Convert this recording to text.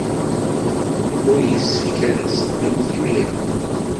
Ur yessefk ara ad teddumt imir-a.